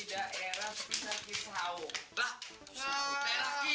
darah kita lah ini